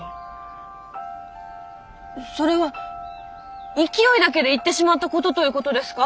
それは勢いだけで言ってしまったことということですか？